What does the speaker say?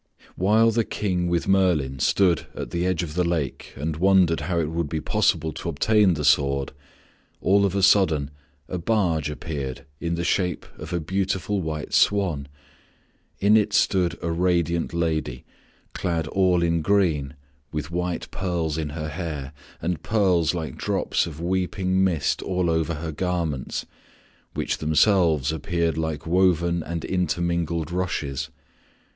While the King with Merlin stood at the edge of the lake and wondered how it would be possible to obtain the sword, all of a sudden a barge appeared in the shape of a beautiful white swan. In it stood a radiant lady, clad all in green with white pearls in her hair and pearls like drops of weeping mist all over her garments which themselves appeared like woven and intermingled rushes.